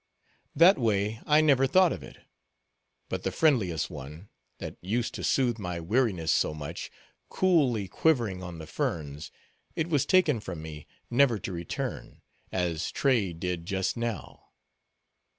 "That way I never thought of it. But the friendliest one, that used to soothe my weariness so much, coolly quivering on the ferns, it was taken from me, never to return, as Tray did just now.